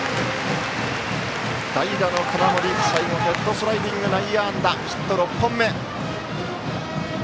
代打の金森最後、ヘッドスライディング内野安打、ヒット６本目。